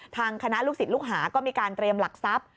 ทางคณะลูกศิษย์ลูกหาก็มีการเตรียมหลักทรัพย์